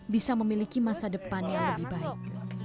bisa memiliki masa depan yang lebih baik